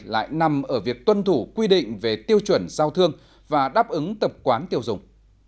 lại nằm ở việc tuân thủ quy định về tiêu chuẩn giao thương và đáp ứng tập quán tiêu dùng